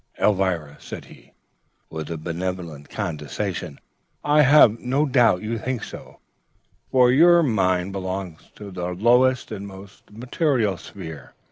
"'Elvira,' said he, with a benevolent condescension, I have no doubt you think so, for your mind belongs to the lowest and most material sphere.